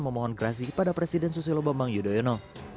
memohon kerasi pada presiden susilo bambang yudhoyono